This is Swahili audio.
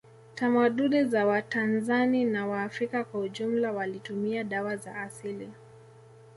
Tamaduni za watanzani na waafrika kwa ujumla walitumia dawa za asili